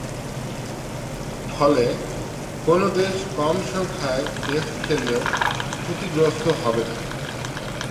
ফলে, কোন দেশ কমসংখ্যায় টেস্ট খেললেও ক্ষতিগ্রস্ত হবে না।